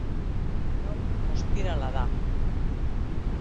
Gaur ostirala da